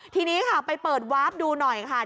ทีนี้ค่ะไปเปิดวาร์ฟดูหน่อยค่ะ